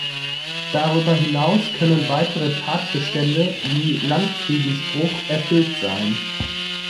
Darüber hinaus können weitere Tatbestände wie Landfriedensbruch erfüllt sein.